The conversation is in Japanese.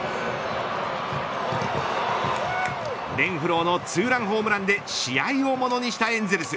レンフローのツーランホームランで試合をものにしたエンゼルス。